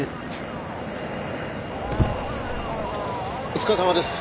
お疲れさまです。